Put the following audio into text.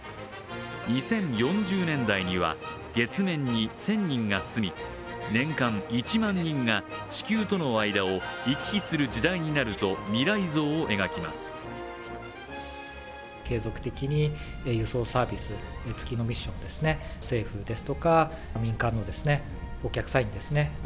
２０４０年代には、月面に１０００人が住み年間１万人が、地球との間を行き来する時代になると、未来像を描きます。